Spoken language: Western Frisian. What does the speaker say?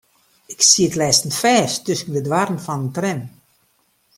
Ik siet lêsten fêst tusken de doarren fan in tram.